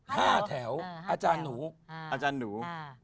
ห้าแถวอาจารย์หนู